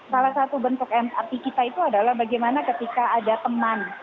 salah satu bentuk mrt kita itu adalah bagaimana ketika ada teman